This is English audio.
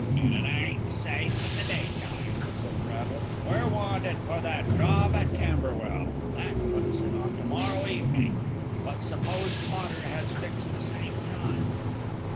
"And it ain't safe in the daytime," said Braddle. "We're wanted for that job at Camberwell, that puts it on to morrow evening. But suppose Potter has fixed the same time."